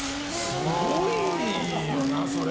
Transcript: すごいよな、それ！